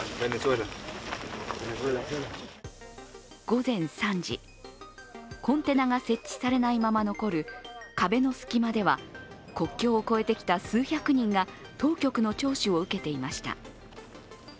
午前３時、コンテナが設置されないまま残る壁の隙間では国境を越えてきた数百人が当局の聴取を受けていました。